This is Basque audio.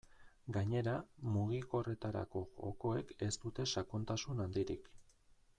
Gainera, mugikorretarako jokoek ez dute sakontasun handirik.